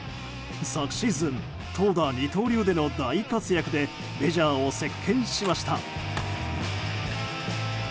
昨シーズン、投打二刀流での大活躍でメジャーを席巻しました。